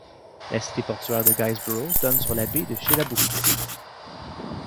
La cité portuaire de Guysborough donne sur la baie de Chedabouctou.